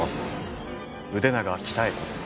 腕長鍛子です。